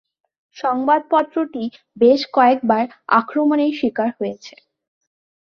সংবাদপত্রটি বেশ কয়েকবার আক্রমণের শিকার হয়েছে।